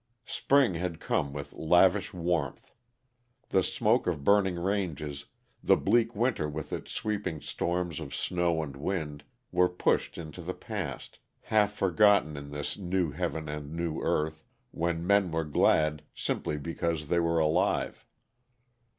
Spring had come with lavish warmth. The smoke of burning ranges, the bleak winter with its sweeping storms of snow and wind, were pushed info the past, half forgotten in this new heaven and new earth, when men were glad simply because they were alive.